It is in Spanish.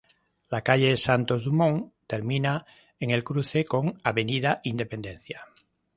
La calle Santos Dumont termina en el cruce con Avenida Independencia.